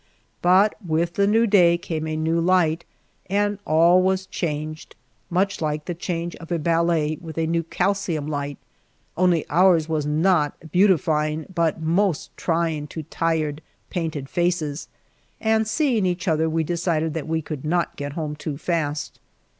But with the new day came a new light and all was changed, much like the change of a ballet with a new calcium light, only ours was not beautifying, but most trying to tired, painted faces; and seeing each other we decided that we could not get home too fast.